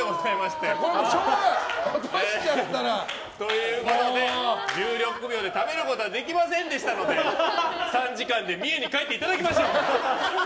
しょうがない落としちゃったら。ということで１６秒で食べることはできませんでしたので３時間で三重に帰っていただきましょう。